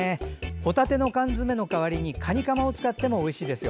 ホタテの缶詰の代わりにカニカマを使ってもおいしいですよ。